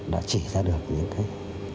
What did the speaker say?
đã chỉ ra được những cái